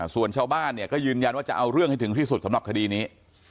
ส่วนชาวบ้านเนี่ยก็ยืนยันว่าจะเอาเรื่องให้ถึงที่สุดสำหรับคดีนี้